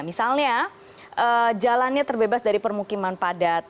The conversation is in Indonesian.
misalnya jalannya terbebas dari permukiman padat